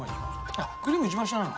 あっクリーム一番下なの？